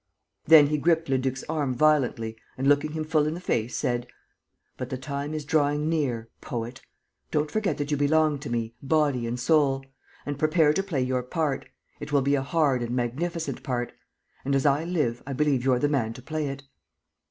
Then he gripped Leduc's arm violently and, looking him full in the face, said: "But the time is drawing near ... poet! Don't forget that you belong to me, body and soul. And prepare to play your part. It will be a hard and magnificent part. And, as I live, I believe you're the man to play it!"